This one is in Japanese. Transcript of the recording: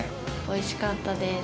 おいしかったです。